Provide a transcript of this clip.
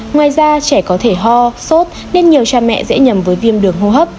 ngoài ra trẻ có thể ho sốt nên nhiều cha mẹ dễ nhầm với viêm đường hô hấp